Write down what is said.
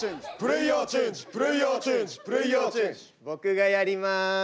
僕がやります。